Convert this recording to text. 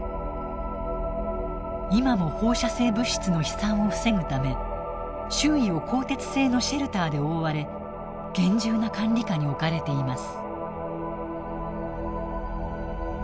今も放射性物質の飛散を防ぐため周囲を鋼鉄製のシェルターで覆われ厳重な管理下に置かれています。